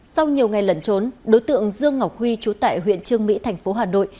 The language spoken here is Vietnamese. sau nhiều ngày lẩn trốn đối tượng dương ngọc huy trú tại huyện trương mỹ thành phố hà nội